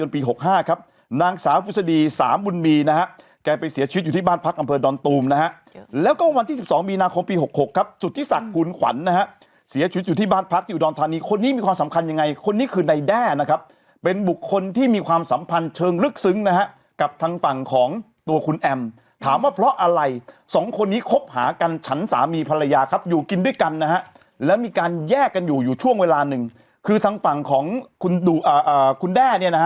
ปีหกห้าครับนางสาวพุษฎีสามวุลมีนะฮะแกไปเสียชีวิตอยู่ที่บ้านพักกำเพิ่มดอนตูมนะฮะแล้วก็วันที่สิบสองมีนาคมปีหกหกครับสุทธิศักดิ์คุณขวัญนะฮะเสียชีวิตอยู่ที่บ้านพักอยู่ดอนธานีคนนี้มีความสำคัญยังไงคนนี้คือในแด้นะครับเป็นบุคคลที่มีความสัมพันธ์เชิงลึกซึ้งนะ